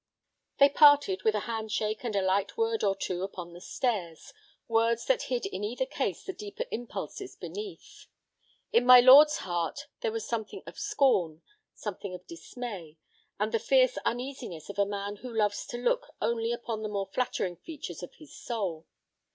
They parted with a hand shake and a light word or two upon the stairs, words that hid in either case the deeper impulses beneath. In my lord's heart there was something of scorn, something of dismay, and the fierce uneasiness of a man who loves to look only upon the more flattering features of his soul.